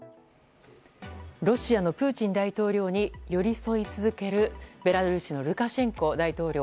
ロシアのプーチン大統領に寄り添い続けるベラルーシのルカシェンコ大統領。